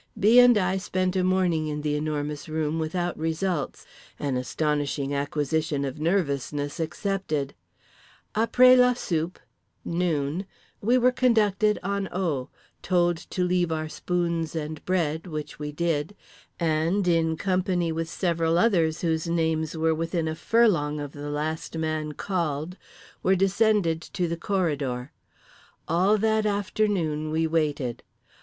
B. and I spent a morning in The Enormous Room without results, an astonishing acquisition of nervousness excepted. Après la soupe (noon) we were conducted en haut, told to leave our spoons and bread (which we did) and—in company with several others whose names were within a furlong of the last man called—were descended to the corridor. All that afternoon we waited.